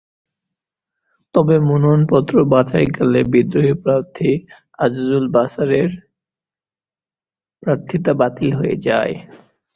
তবে মনোনয়নপত্র বাছাইকালে বিদ্রোহী প্রার্থী আজিজুল বাসারের প্রার্থিতা বাতিল হয়ে যায়।